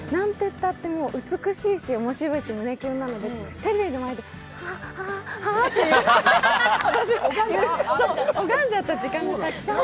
たって美しいし面白いし胸キュンなのでテレビの前であ、あ、あって拝んじゃった時間がたくさん。